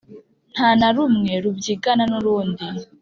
Nta na rumwe rubyigana n’urundi,